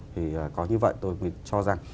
thì có như vậy tôi mới cho rằng